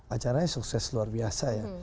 acaranya sukses luar biasa ya